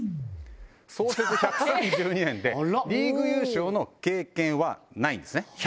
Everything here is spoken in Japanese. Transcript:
創設１３２年でリーグ優勝の経験はないんですね。